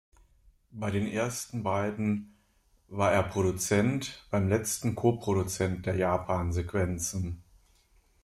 Bei den ersten beiden war er Produzent, beim letzten Koproduzent der Japan-Sequenzen.